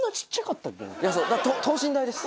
等身大です。